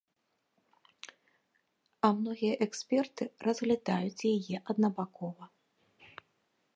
А многія эксперты разглядаюць яе аднабакова.